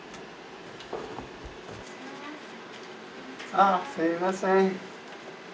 ああすみません。